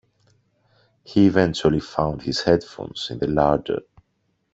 He eventually found his headphones in the larder.